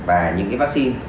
và những cái vaccine